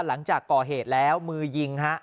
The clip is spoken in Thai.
หลังจากก่อเหตุแล้วมือยิงฮะ